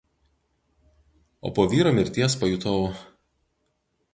O po vyro mirties pajutau